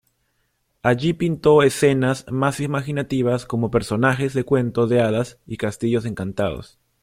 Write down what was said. Allí pintó escenas más imaginativas como personajes de cuentos de hadas y castillos encantados.